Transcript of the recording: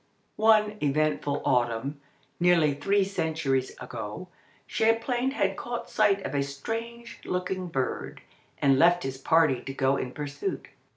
One eventful autumn, nearly three centuries ago, Champlain had caught sight of a strange looking bird, and left his party to go in pursuit.